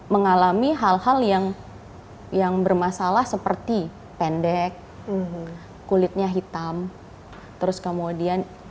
mengalami hal hal yang yang bermasalah seperti pendek kulitnya hitam terus kemudian